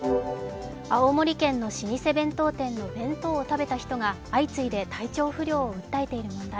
青森県の老舗弁当店の弁当を食べた人が相次いで体調不良を訴えている問題。